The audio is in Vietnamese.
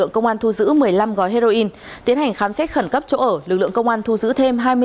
công an thu giữ một mươi năm gói heroin tiến hành khám xét khẩn cấp chỗ ở lực lượng công an thu giữ thêm